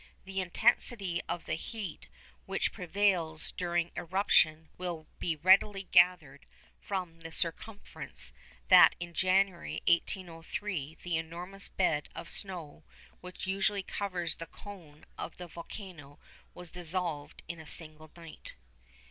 The intensity of the heat which prevails during eruption will be readily gathered from the circumstance that in January 1803 the enormous bed of snow which usually covers the cone of the volcano was dissolved in a single night.